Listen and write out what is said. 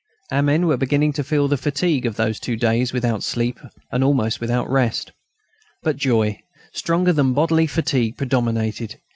Our men were beginning to feel the fatigue of those two days without sleep and almost without rest. But joy, stronger than bodily fatigue, predominated.